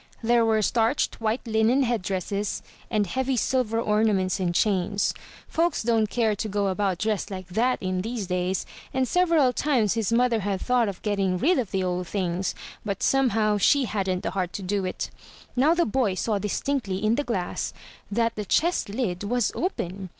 There were starched white linen headdresses, and heavy silver ornaments and chains. Folks don't care to go about dressed like that in these days, and several times his mother had thought of getting rid of the old things; but somehow, she hadn't the heart to do it. Now the boy saw distinctly — ^in the glass — ^that the chest lid was open.